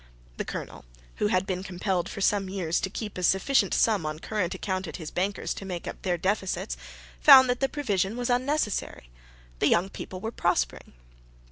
The Colonel, who had been compelled for some years to keep a sufficient sum on current account at his bankers to make up their deficits, found that the provision was unnecessary: the young people were prospering.